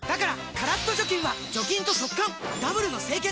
カラッと除菌は除菌と速乾ダブルの清潔！